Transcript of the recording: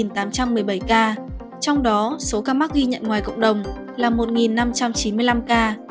trong đó số ca mắc ghi nhận ngoài cộng đồng là một năm trăm chín mươi năm ca